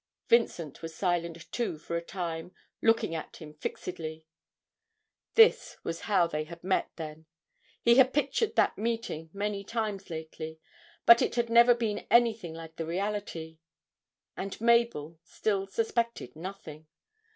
Vincent was silent, too, for a time, looking at him fixedly. This was how they had met, then. He had pictured that meeting many times lately, but it had never been anything like the reality. And Mabel still suspected nothing.